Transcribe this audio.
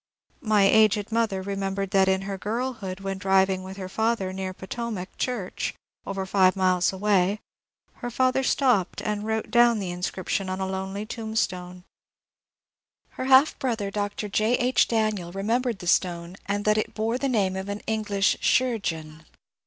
My aged mother remembered that in her girlhood when driving with her father near Potomac church, over five miles away, her father stopped and wrote down the inscription on a lonely tombstone ; her half brother, Dr. J. H. Daniel, remembered the stone and that it bore the name of an English '« chirurgeon."